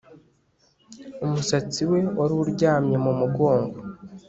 Umusatsi we wari uryamye mu mugongo